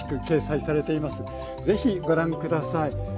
ぜひご覧下さい。